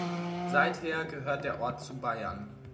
Seither gehört der Ort zu Bayern.